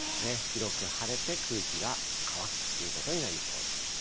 広く晴れて、空気が乾くということになりそうです。